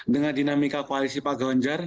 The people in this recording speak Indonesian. dengan dinamika koalisi pak ganjar